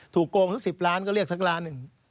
ถูกโกงสักสิบล้านก็เรียกสักล้านนึง